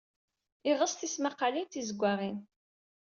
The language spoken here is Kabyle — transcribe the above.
Yeɣs tismaqqalin d tizewwaɣin.